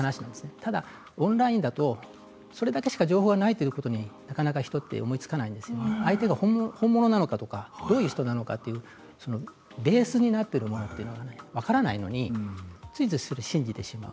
ただオンラインだとそれだけしか情報はないということに、なかなか人は思いつかないですし相手が本物なのかどういう人なのかベースになっているものが分からないのについついそれを信じていってしまう。